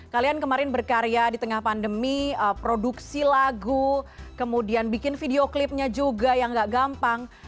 kalian kemarin berkarya di tengah pandemi produksi lagu kemudian bikin video klipnya juga yang gak gampang